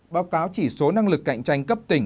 báo cáo chỉ số năng lực cạnh tranh cấp tỉnh